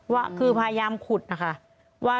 ว่าคือพยายามขุดนะคะว่า